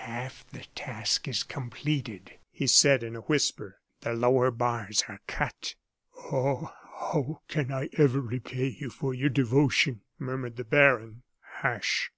"Half the task is completed," he said, in a whisper. "The lower bars are cut." "Ah! how can I ever repay you for your devotion!" murmured the baron. "Hush!